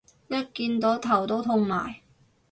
一見到頭都痛埋